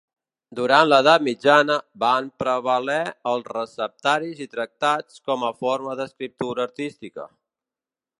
Durant l'edat mitjana van prevaler els receptaris i tractats com a forma d'escriptura artística.